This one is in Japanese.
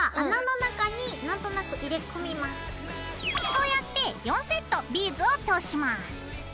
こうやって４セットビーズを通します。